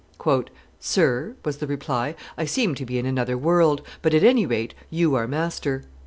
"Sir," was the reply, "I seem to be in another world, but at any rate you are master."